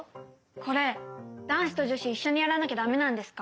これ男子と女子一緒にやらなきゃ駄目なんですか？